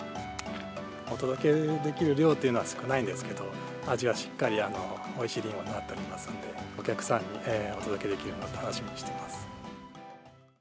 お届けできる量っていうのは少ないんですけど、味はしっかり、おいしいりんごになっておりますので、お客さんにお届けできるのを楽しみにしています。